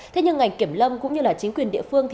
thế nhưng ngành kiểm lâm cũng như chính quyền địa phương